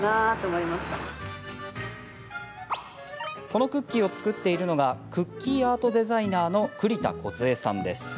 このクッキーを作っているのがクッキーアートデザイナーの栗田こずえさんです。